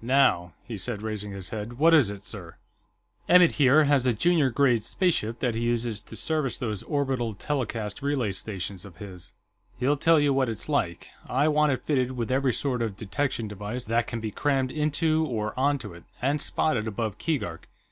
"Now," he said, raising his head. "What is it, sir?" "Emmett, here, has a junior grade spaceship that he uses to service those orbital telecast relay stations of his. He'll tell you what it's like. I want it fitted with every sort of detection device that can be crammed into or onto it, and spotted above Keegark.